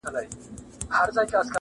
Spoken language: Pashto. ادب کي دا کيسه ژوندۍ ده,